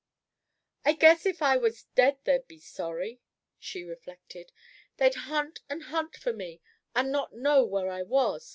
"I guess if I was dead they'd be sorry," she reflected. "They'd hunt and hunt for me, and not know where I was.